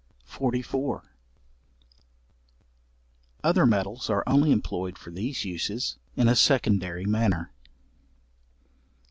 §44. Other metals are only employed for these uses, in a secondary manner.